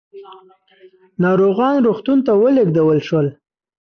ناروغان روغتون ته ولېږدول شول.